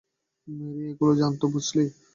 Mary এগুলো জানত, বুঝলি?